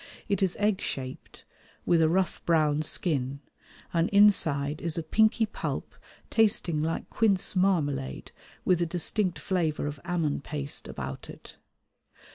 It is egg shaped, with a rough brown skin, and inside is a pinky pulp tasting like quince marmalade with a distinct flavour of almond paste about it.